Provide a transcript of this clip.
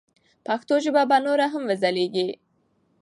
پښتو ژبه به نوره هم وځلیږي.